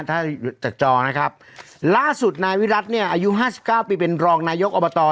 ถ้าจากจอนะครับล่าสุดนายวิรัติเนี่ยอายุห้าสิบเก้าปีเป็นรองนายกอบต